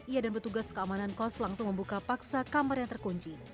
ia dan petugas keamanan kos langsung membuka paksa kamar yang terkunci